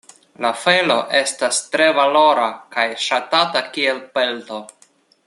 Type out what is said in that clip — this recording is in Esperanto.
La felo estas tre valora kaj ŝatata kiel pelto.